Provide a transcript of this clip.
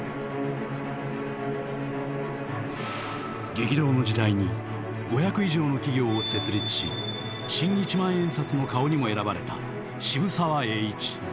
激動の時代に５００以上の企業を設立し新一万円札の顔にも選ばれた渋沢栄一。